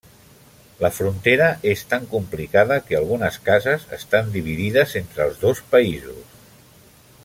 La frontera és tan complicada que algunes cases estan dividides entre els dos països.